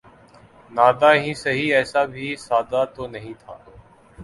ناداں ہی سہی ایسا بھی سادہ تو نہیں تھا